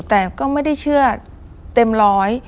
แต่ก็ไม่ได้เชื่อเต็มร้อย